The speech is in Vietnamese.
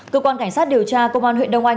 cơ quan cảnh sát điều tra công an huyện đông anh